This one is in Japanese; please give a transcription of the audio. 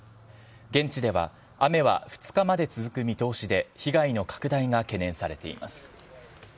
現地では、雨は２日まで続く見通しで、被害の拡大が懸念されています。